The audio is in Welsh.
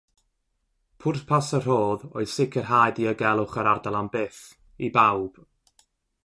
Pwrpas y rhodd oedd sicrhau diogelwch yr ardal am byth, i bawb.